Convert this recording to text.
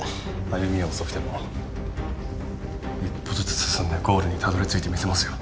歩みは遅くても一歩ずつ進んでゴールにたどり着いてみせますよ。